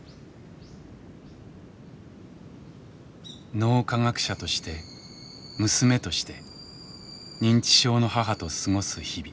脳科学者として娘として認知症の母と過ごす日々。